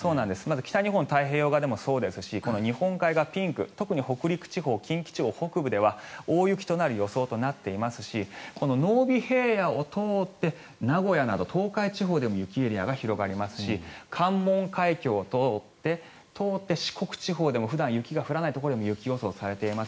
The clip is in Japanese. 北日本、太平洋側でもそうですし日本海側、ピンク特に北陸地方、近畿地方北部では大雪となる予想となっていますしこの濃尾平野を通って名古屋など東海地方でも雪エリアが広がりますし関門環境を通って四国地方でも普段雪が降らないところでも雪予想がされています。